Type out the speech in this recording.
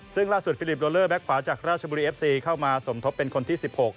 ซึ่งล่าสุดฟิลิปโลเลอร์แบ็คขวาจากราชบุรีเอฟซีเข้ามาสมทบเป็นคนที่๑๖